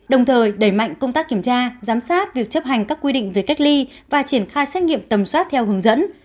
đồng thời đẩy mạnh công tác kiểm tra giám sát việc chấp hành các quy định về cách ly và triển khai xét nghiệm tầm soát theo hướng dẫn